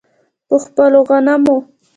په خپلو غنمو.